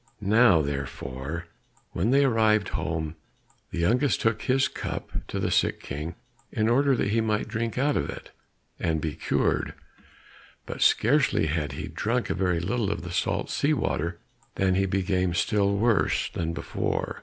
Now therefore, when they arrived home, the youngest took his cup to the sick King in order that he might drink out of it, and be cured. But scarcely had he drunk a very little of the salt sea water than he became still worse than before.